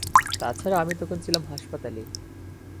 তা ছাড়া আমি তখন ছিলাম হাসপাতালে।